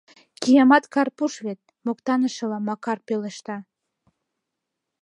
— Киямат Карпуш вет! — моктанышыла Макар пелешта.